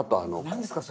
何ですか？